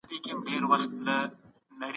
کېدای سي امن ټینګ سي.